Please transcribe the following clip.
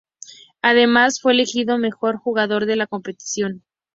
Además, fue elegido mejor jugador de la competición.